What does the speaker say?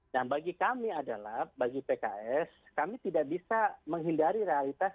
nah bagi kami adalah bagi pks kami tidak bisa menghindari realitas